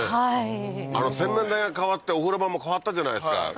はい洗面台が変わってお風呂場も変わったじゃないですか